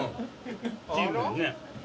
チームなのにね。